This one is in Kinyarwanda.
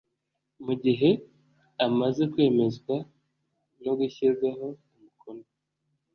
mu gihe amaze kwemezwa no gushyirwaho umukono